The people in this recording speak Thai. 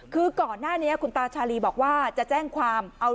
คือก่อนหน้านี้คุณตาชาลีบอกว่า